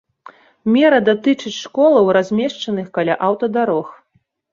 Мера датычыць школаў, размешчаных каля аўтадарог.